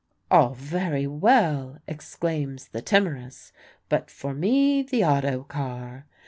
"All very well," exclaims the timorous, "but for me, the auto car."